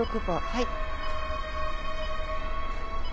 はい。